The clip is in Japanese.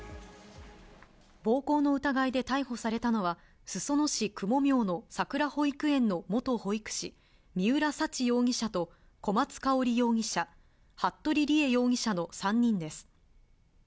暴行の疑いで逮捕されたのは、裾野市公文名のさくら保育園の元保育士、三浦沙知容疑者と小松香織容疑者、服部理江容疑者の３人です。